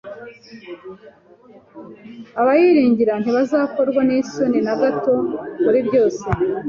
abayiringira ntibazakorwa n’isoni na gato, muri byose